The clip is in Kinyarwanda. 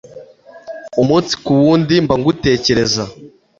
umunsi ku wundi.mba ngutekereza